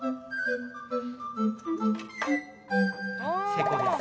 成功です。